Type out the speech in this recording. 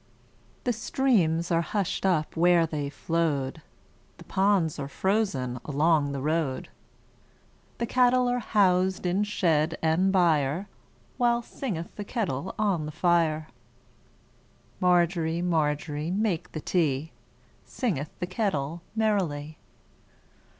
The streams are hushed up where they flowed, The ponds are frozen along the road, The cattle are housed in shed and byreWhile singeth the kettle on the fire. Margery, Margery, make the tea, Singeth the kettle merrily.